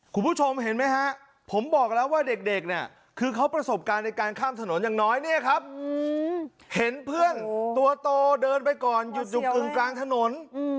คุณผู้ชมเห็นไหมฮะผมบอกแล้วว่าเด็กเนี่ยคือเขาประสบการณ์ในการข้ามถนนอย่างน้อยเนี่ยครับเห็นเพื่อนตัวโตเดินไปก่อนหยุดอยู่อึงกลางถนน